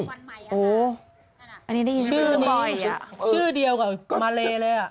ชื่อนี้ชื่อเดียวกับมาเลเลย